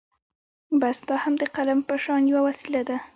بس دا هم د قلم په شان يوه وسيله ده.